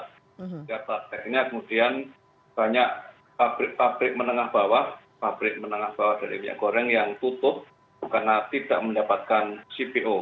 sehingga kemudian banyak pabrik pabrik menengah bawah pabrik menengah bawah dari minyak goreng yang tutup karena tidak mendapatkan cpo